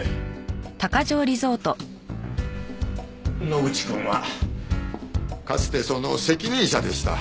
野口くんはかつてその責任者でした。